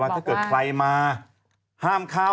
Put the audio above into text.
ว่าถ้าเกิดใครมา